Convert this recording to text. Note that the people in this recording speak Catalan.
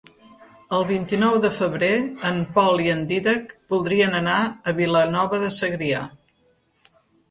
El vint-i-nou de febrer en Pol i en Dídac voldrien anar a Vilanova de Segrià.